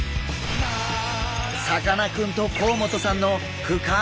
さかなクンと甲本さんの深い対談。